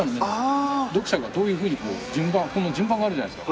読者がどういうふうにこの順番があるじゃないですか。